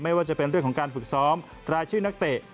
ว่าจะเป็นเรื่องของการฝึกซ้อมรายชื่อนักเตะ